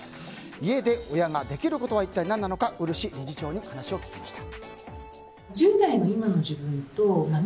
家で親ができることは何なのか漆理事長に話を聞きました。